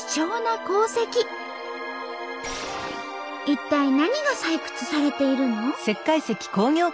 一体何が採掘されているの？